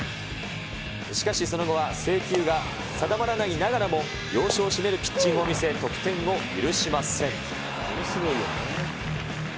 しかし、その後は制球が定まらないながらも、要所を締めるピッチングを見せ、得点を許しません。